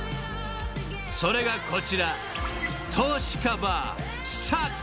［それがこちら］